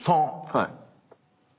はい。